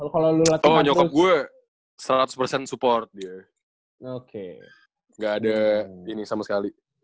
oh nyokap gue seratus support dia gak ada ini sama sekali